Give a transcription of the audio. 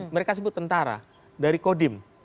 mereka sebut tentara dari kodim